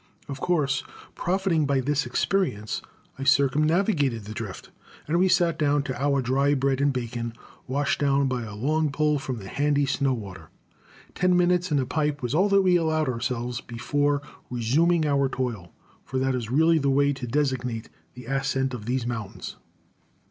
Of course, profiting by this experience, I circumnavigated the drift, and we sat down to our dry bread and bacon, washed down by a long pull from the handy snow water. Ten minutes and a pipe was all that we allowed ourselves before resuming our toil for that is really the way to designate the ascent of these mountains.